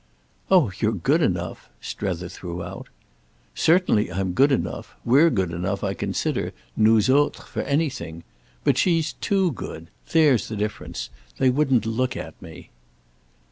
"Oh you're good enough," Strether threw out. "Certainly I'm good enough. We're good enough, I consider, nous autres, for anything. But she's too good. There's the difference. They wouldn't look at me."